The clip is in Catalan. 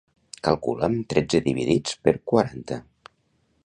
Calcula'm tretze dividits per quaranta.